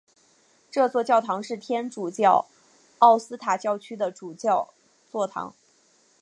这座教堂是天主教奥斯塔教区的主教座堂。